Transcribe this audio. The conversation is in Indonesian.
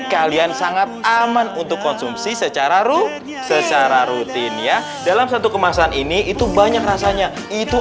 kalian sangat aman untuk konsumsi secara rut secara rutin ya dalam satu kemasan ini itu banyak rasanya itu